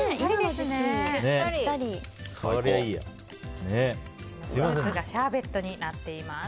スープがシャーベットになっています。